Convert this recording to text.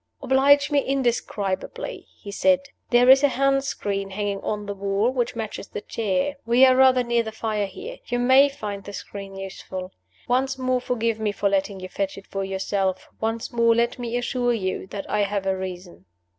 "Oblige me indescribably," he said. "There is a hand screen hanging on the wall, which matches the chair. We are rather near the fire here. You may find the screen useful. Once more forgive me for letting you fetch it for yourself. Once more let me assure you that I have a reason."